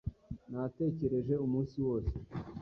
Natekereje umunsi wose.